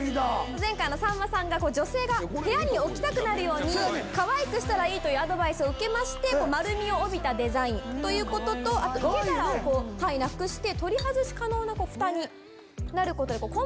前回さんまさんが女性が部屋に置きたくなるようかわいくしたらいいというアドバイスを受けまして丸みを帯びたデザインということと受け皿をなくして。